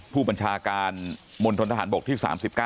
ผู้บัญชาการมนตรฐานบกที่๓๙